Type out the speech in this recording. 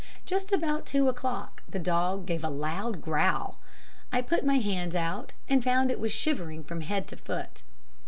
Just about two o'clock the dog gave a loud growl. I put my hand out and found it was shivering from head to foot.